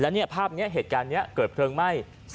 แล้วนี้ภาพเกิดเพลิงไหม้